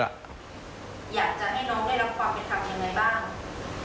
อยากจะให้น้องได้รับความเป็นธรรมยังไงบ้าง